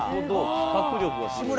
企画力がすごいわ。